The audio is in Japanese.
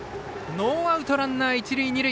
ノーアウト、ランナー、一塁二塁。